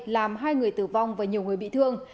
làm hai người tử vong và nhiều người bị thương